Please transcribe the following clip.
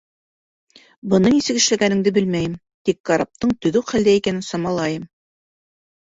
Быны нисек эшләгәнеңде белмәйем, тик караптың төҙөк хәлдә икәнен самалайым.